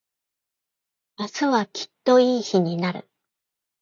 明日はきっといい日になる。